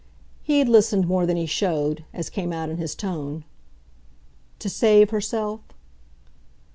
He had listened more than he showed as came out in his tone. "To save herself?"